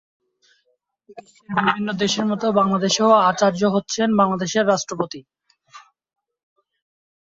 বিশ্বের বিভিন্ন দেশের মতো বাংলাদেশেও আচার্য হচ্ছেন বাংলাদেশের রাষ্ট্রপতি।